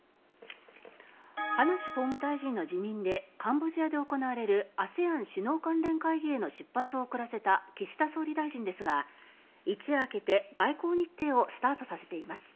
葉梨法務大臣の辞任でカンボジアで行われるＡＳＥＡＮ首脳関連会議への出発を遅らせた岸田総理大臣ですが一夜明けて、外交日程をスタートさせています。